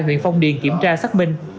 huyện phong điền kiểm tra xác minh